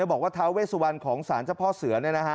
บอกว่าท้าเวสวันของสารเจ้าพ่อเสือ